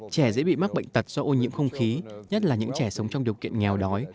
trẻ dễ bị mắc bệnh tật do ô nhiễm không khí nhất là những trẻ sống trong điều kiện nghèo đói